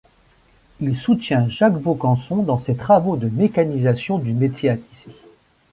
Il soutient Jacques Vaucanson dans ses travaux de mécanisation du métier à tisser.